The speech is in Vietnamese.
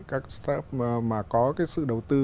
các start up mà có cái sự đầu tư